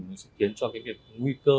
nó sẽ khiến cho cái việc nguy cơ